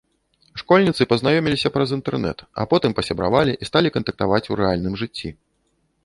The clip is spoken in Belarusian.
Школьніцы пазнаёміліся праз інтэрнэт, а потым пасябравалі і сталі кантактаваць у рэальным жыцці.